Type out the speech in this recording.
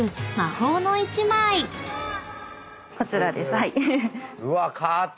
こちらです。